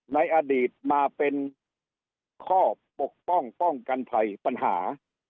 ในอดีตมาเป็นข้อปกป้องป้องกันภัยปัญหา